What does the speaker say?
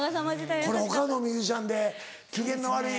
これ他のミュージシャンで機嫌の悪い。